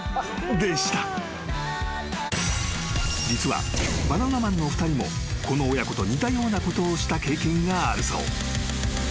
［実はバナナマンのお二人もこの親子と似たようなことをした経験があるそう］